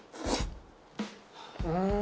うん